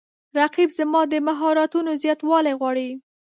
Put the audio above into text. رقیب زما د مهارتونو زیاتوالی غواړي